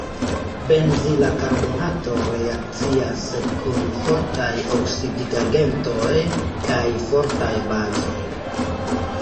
Benzila karbonato reakcias kun fortaj oksidigagentoj kaj fortaj bazoj.